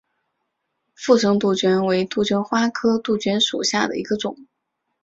附生杜鹃为杜鹃花科杜鹃属下的一个种。